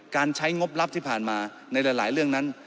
การใช้งบรับที่ผ่านมาในหลายเรื่องนั้น